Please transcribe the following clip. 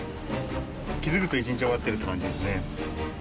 気付くと１日終わってる感じですね。